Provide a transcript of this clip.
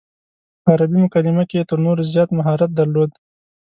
په عربي مکالمه کې یې تر نورو زیات مهارت درلود.